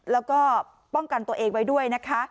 แล้วก็ป้องกันตัวเองไว้ด้วยนะคะ